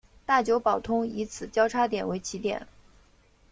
大久保通以此交差点为起点。